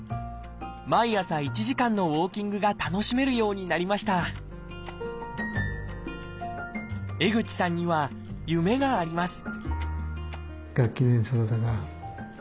毎朝１時間のウォーキングが楽しめるようになりました江口さんには夢があります